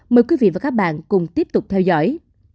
mời quý vị và các bạn cùng tiếp tục theo dõi